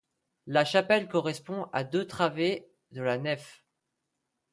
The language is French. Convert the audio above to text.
La chapelle correspond à deux travées de la nef.